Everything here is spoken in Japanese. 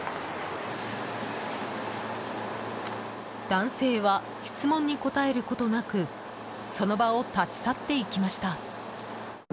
男性は質問に答えることなくその場を立ち去っていきました。